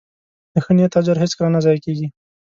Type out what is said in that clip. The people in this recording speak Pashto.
د ښه نیت اجر هیڅکله نه ضایع کېږي.